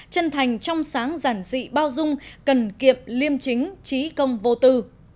chân thành trong sáng giản dị bao dung cần kiệm liêm chính trí công vô tư